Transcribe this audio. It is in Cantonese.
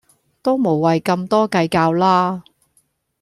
都無謂咁多計較啦